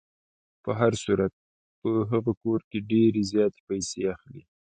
په هر صورت په هغه کور کې ډېرې زیاتې پیسې اخلي.